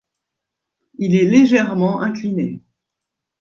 Il est légèrement incliné.